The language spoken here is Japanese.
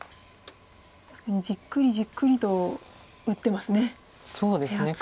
確かにじっくりじっくりと打ってますね手厚く。